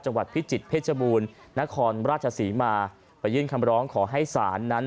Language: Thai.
จังหวัดพิจิตรเพชมูลนครราชศรีมาประยิ่นคำร้องขอให้ศาลนั้น